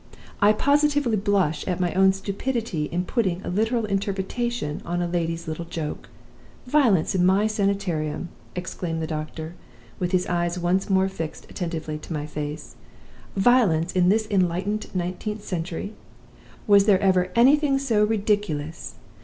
I positively blush at my own stupidity in putting a literal interpretation on a lady's little joke! Violence in My Sanitarium!' exclaimed the doctor, with his eyes once more fixed attentively on my face 'violence in this enlightened nineteenth century! Was there ever anything so ridiculous?